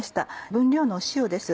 分量の塩です。